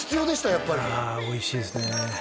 やっぱりいやおいしいですね